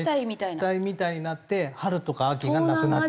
熱帯みたいになって春とか秋がなくなってくる。